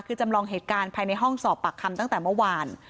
คือจำลองเหตุการณ์ภายในห้องสอบปากคำตั้งแต่เมื่อวาน